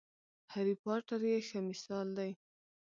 هرې پاټر یې ښه مثال دی.